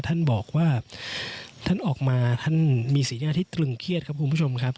ท่านบอกว่าท่านออกมาท่านมีสีหน้าที่ตรึงเครียดครับคุณผู้ชมครับ